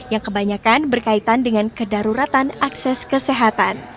yang kebanyakan berkaitan dengan kedaruratan akses kesehatan